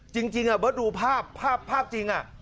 จริงอะเวิร์ดดูภาพภาพจริงอะ